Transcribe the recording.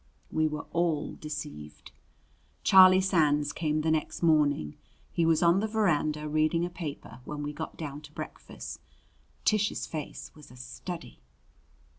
We were all deceived. Charlie Sands came the next morning. He was on the veranda reading a paper when we got down to breakfast. Tish's face was a study.